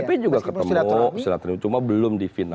dpp juga ketemu cuma belum di final